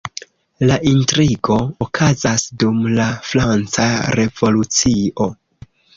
La intrigo okazas dum la Franca Revolucio.